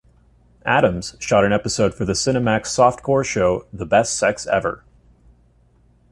Adams shot an episode for the Cinemax softcore show "The Best Sex Ever".